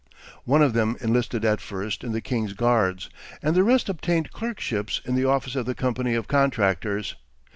One of them enlisted at first in the king's guards, and the rest obtained clerkships in the office of the company of contractors.